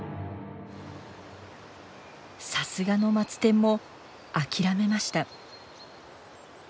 さすがのマツテンも諦めました。